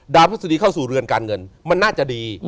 ดาวพระสุทธิ์เข้าสู่เรือนการเงินมันน่าจะดี